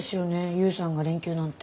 勇さんが連休なんて。